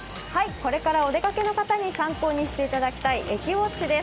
これからお出かけの方に参考にしていただきたい駅ウォッチです。